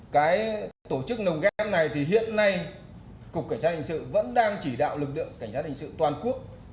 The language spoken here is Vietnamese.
cái tổ chức nồng ghép này thì hiện nay cục cảnh sát hình sự vẫn đang chỉ đạo lực lượng cảnh sát hình sự toàn quốc